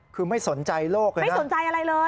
คือไม่สนใจโลกเลยนะไม่สนใจอะไรเลย